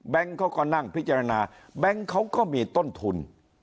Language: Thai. เขาก็นั่งพิจารณาแบงค์เขาก็มีต้นทุน